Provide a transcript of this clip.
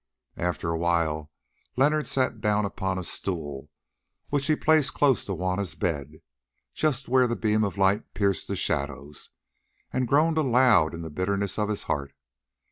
After a while Leonard sat down upon a stool, which he placed close to Juanna's bed, just where the beam of light pierced the shadows, and groaned aloud in the bitterness of his heart.